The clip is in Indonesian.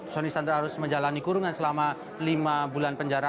soni sandra harus menjalani kurungan selama lima bulan penjara